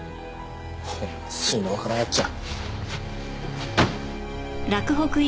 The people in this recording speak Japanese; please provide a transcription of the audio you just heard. ほんま粋のわからんやっちゃ。